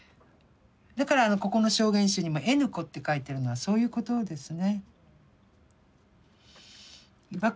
だからここの証言集にもＮ子って書いてるのはそういうことですね。